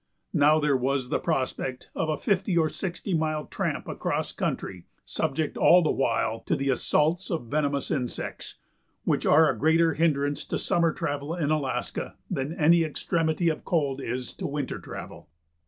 Now there was the prospect of a fifty or sixty mile tramp across country, subject all the while to the assaults of venomous insects, which are a greater hindrance to summer travel in Alaska than any extremity of cold is to winter travel.